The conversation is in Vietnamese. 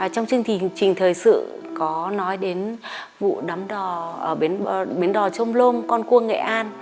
trong chương trình thời sự có nói đến vụ đấm đò ở bến đò trôm lôm con cua nghệ an